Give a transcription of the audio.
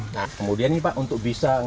nah kemudian ini pak untuk bisa